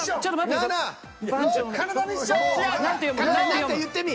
何か言ってみ。